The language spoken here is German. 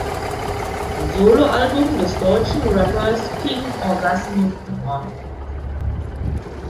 Soloalbum des deutschen Rappers King Orgasmus One.